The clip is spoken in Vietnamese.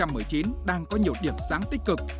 những nền kinh tế có nhiều điểm sáng tích cực